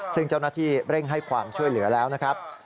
ซึ่งเจ้าหน้าที่เร่งให้ความช่วยเหลือแล้วนะครับ